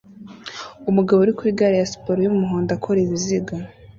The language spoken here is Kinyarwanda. Umugabo uri kuri gare ya siporo yumuhondo akora ibiziga